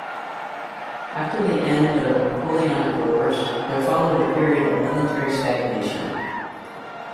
After the end of the Napoleonic Wars there followed a period of military stagnation.